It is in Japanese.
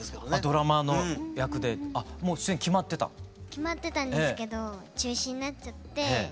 決まってたんですけど中止になっちゃって。